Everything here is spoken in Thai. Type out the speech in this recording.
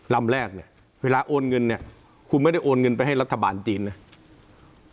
ลำแรกเนี่ยเวลาโอนเงินเนี่ยคุณไม่ได้โอนเงินไปให้รัฐบาลจีนนะ